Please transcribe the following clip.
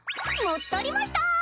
もっどりました！